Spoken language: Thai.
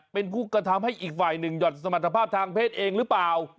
เป็นผู้กระทำให้อีกฝ่ายหนึ่งหย่อนสมรรถภาพทางเพศเองหรือเปล่า